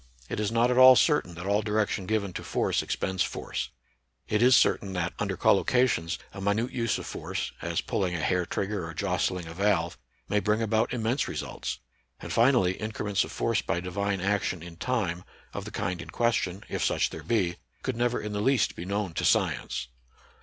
It is not at all certain that all direction given to force expends force ; it is certain that, under collocations, a minute use of force (as pulling a hair trigger or jostling a valve) may bring about immense results; and, finally, increments of force by Divine ac tion in time, of the kind in question, if such there be, could never in the least be known to science.